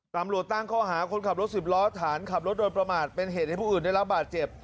ตำรวจตั้งข้อหาคนขับรถสิบล้อฐานขับรถโดยประมาทเป็นเหตุให้ผู้อื่นได้รับบาดเจ็บ